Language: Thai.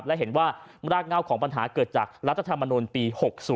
และเห็นว่ารากเง่าของปัญหาเกิดจากรัฐธรรมนุนปี๖๐